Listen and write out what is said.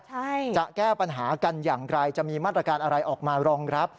ใช่จะแก้ปัญหากันอย่างไรจะมีมาตรการอะไรออกมารองรับ